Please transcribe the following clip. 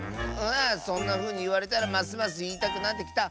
そんなふうにいわれたらますますいいたくなってきた。